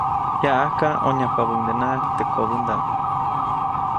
Yaʼajka ʼonyajpabäʼundenaʼajk teʼ kobändaʼm.